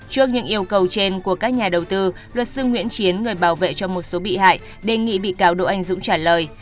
trước những yêu cầu trên của các nhà đầu tư luật sư nguyễn chiến người bảo vệ cho một số bị hại đề nghị bị cáo đỗ anh dũng trả lời